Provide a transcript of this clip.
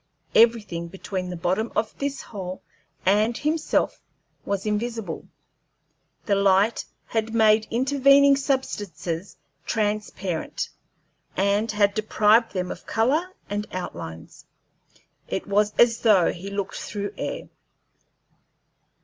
Everything between the bottom of this hole and himself was invisible; the light had made intervening substances transparent, and had deprived them of color and outlines. It was as though he looked through air.